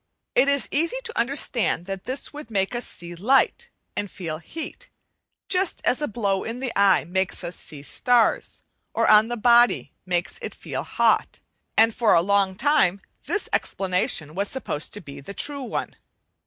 It is easy to understand that this would make us see light and feel heat, just as a blow in the eye makes us see starts, or on the body makes it feel hot: and for a long time this explanation was supposed to be the true one.